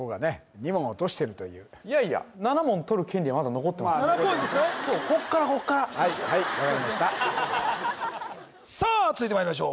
２問落としてるといういやいや７ポイントですからねそうこっからこっからはいはい分かりましたさあ続いてまいりましょう